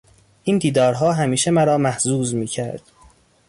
این دیدارها همیشه مرا محظوظ میکرد.